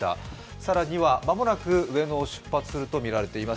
更には間もなく上野を出発するとみられます